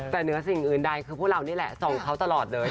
แต่เหนือสิ่งอื่นใดคือพวกเรานี่แหละส่องเขาตลอดเลย